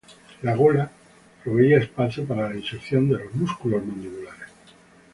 La gola proveía espacio para la inserción de los músculos mandibulares.